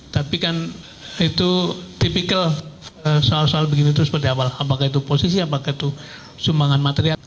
tapi kan itu tipikal soal soal begini itu seperti apa apakah itu posisi apakah itu sumbangan material